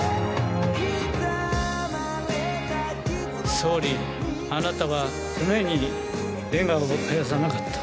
総理、あなたは常に笑顔を絶やさなかった。